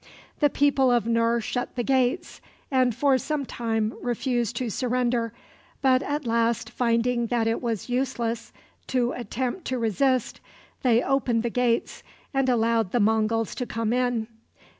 The people of Nur shut the gates and for some time refused to surrender. But at last, finding that it was useless to attempt to resist, they opened the gates and allowed the Monguls to come in.